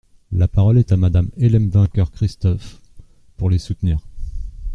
La parole est à Madame Hélène Vainqueur-Christophe, pour les soutenir.